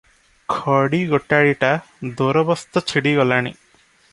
ଖଡ଼ି ଗୋଟାଳିଟା ଦୋରବସ୍ତ ଛିଡ଼ିଗଲାଣି ।